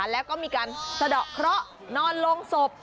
แล้วก็มีการสะดอกเคราะห์นอนลงศพ